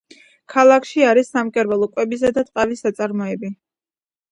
ქალაქში არის სამკერვალო, კვებისა და ტყავის საწარმოები.